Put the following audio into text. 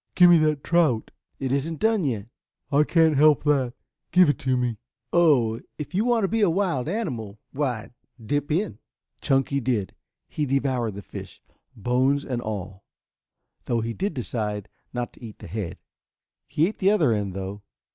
"Give me that trout." "It isn't done yet." "I can't help that. Give it to me." "Oh, if you want to be a wild animal, why dip in." Chunky did. He devoured the fish, bones and all, though he did decide not to eat the head. He ate the other end, though.